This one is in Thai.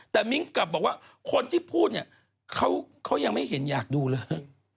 แต่มิ้งกลับบอกว่าคนที่พูดเนี่ยเขายังไม่เห็นอยากดูเลย